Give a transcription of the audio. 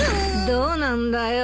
どうなんだよ！